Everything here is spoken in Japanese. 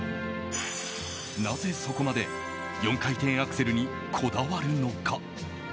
なぜ、そこまで４回転アクセルにこだわるのか。